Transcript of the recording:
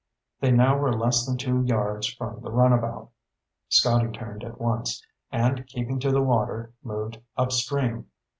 They now were less than two yards from the runabout. Scotty turned at once, and keeping to the water, moved upstream.